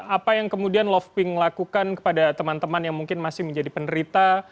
apa yang kemudian loving lakukan kepada teman teman yang mungkin masih menjadi penderita